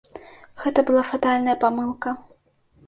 Гэта была фатальная памылка.